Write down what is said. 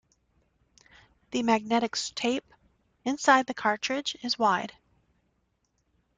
The magnetic tape inside the cartridge is wide.